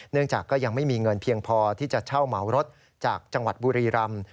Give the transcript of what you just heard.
จากก็ยังไม่มีเงินเพียงพอที่จะเช่าเหมารถจากจังหวัดบุรีรำ